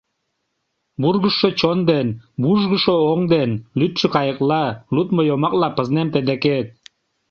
Вургыжшо чон ден, вужгышо оҥ ден, лӱдшӧ кайыкла, лудмо йомакла пызнем тый декет.